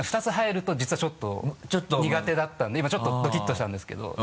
２つ入ると実はちょっと苦手だったんで今ちょっとドキッとしたんですけど。